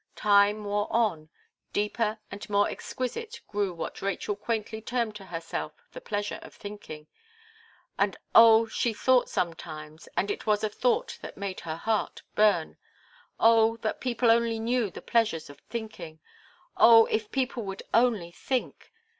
Time wore on; deeper and more exquisite grew what Rachel quaintly termed to herself "the pleasure of thinking." And oh! she thought sometimes, and it was a thought that made her heart bum, "Oh! that people only knew the pleasures of thinking! Oh! if people would only think!"